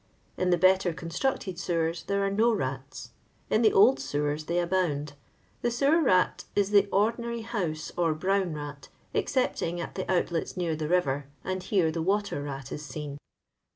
In the better constructed sewers there are no rats. In the old sewers they abound. The sewer rat is the ordinary house or brown rat, excepting at the outlets near the river, and here the water rat it seen.